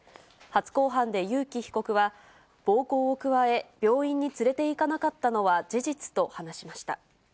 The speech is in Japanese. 初公判で悠樹被告は暴行を加え、病院に連れて行かなかったのは事実と話しました。